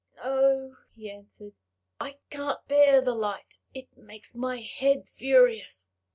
"No," he answered; "I can't bear the light; it makes my head furious."